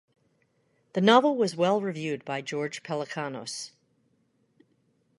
The novel was well-reviewed by George Pelecanos.